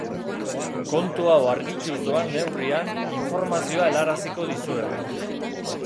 Kontu hau argituz doan neurrian informazioa helaraziko dizuegu.